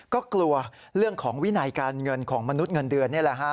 ก็กลัวเรื่องของวินัยการเงินของมนุษย์เงินเดือนนี่แหละฮะ